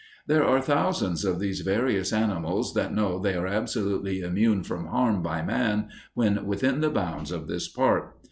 There are thousands of these various animals that know they are absolutely immune from harm by man when within the bounds of this park.